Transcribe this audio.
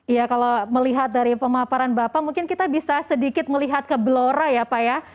iya kalau melihat dari pemaparan bapak mungkin kita bisa sedikit melihat ke blora ya pak ya